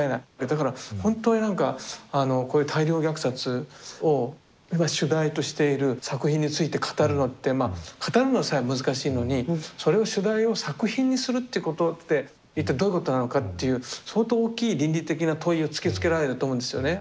だから本当に何かこういう大量虐殺を主題としている作品について語るのってまあ語るのさえ難しいのにそれを主題を作品にするっていうことって一体どういうことなのかっていう相当大きい倫理的な問いを突きつけられると思うんですよね。